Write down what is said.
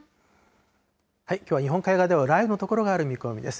きょうは日本海側では、雷雨の所がある見込みです。